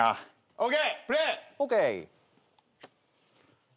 ＯＫ。